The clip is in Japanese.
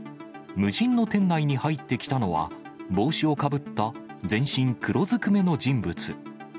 無人の店内に入ってきたのは、帽子をかぶった全身黒ずくめの人物。